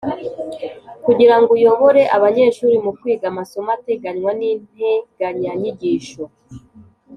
kugira ngo uyobore abanyeshuri mu kwiga amasomo ateganywa n’integanyanyigisho.